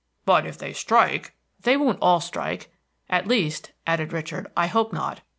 "But if they strike" "They won't all strike. At least," added Richard, "I hope not.